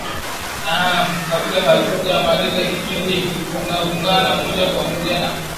naam kabla hatuja maliza kipindi hiki tunaungana moja kwa moja na